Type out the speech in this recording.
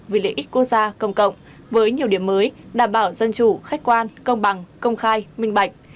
vì lợi ích quốc gia công cộng với nhiều điểm mới đảm bảo dân chủ khách quan công bằng công khai minh bạch